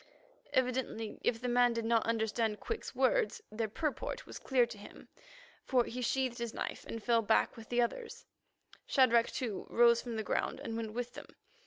Evidently, if the man did not understand Quick's words, their purport was clear to him, for he sheathed his knife and fell back with the others. Shadrach, too, rose from the ground and went with them.